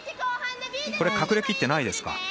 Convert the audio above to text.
これ隠れきってないですか。